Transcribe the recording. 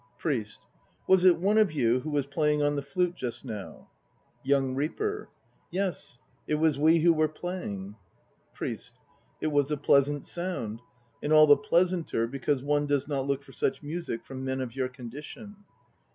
PRIEST. Was it one of you who was playing on the flute just now? YOUNG REAPER. Yes, it was we who were playing. PRIEST. It was a pleasant sound, and all the pleasanter because one does not look for such music from men of your condition.